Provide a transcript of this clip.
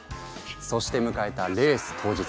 そして迎えたレース当日。